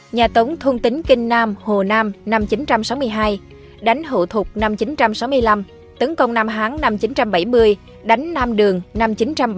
nhà tống thun tính kinh nam hồ nam năm một nghìn chín trăm sáu mươi hai đánh hộ thục năm một nghìn chín trăm sáu mươi năm tấn công nam hán năm một nghìn chín trăm bảy mươi đánh nam đường năm một nghìn chín trăm bảy mươi năm